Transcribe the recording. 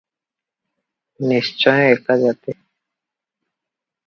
ନିଶ୍ଚୟ ଏକା ଜାତି ।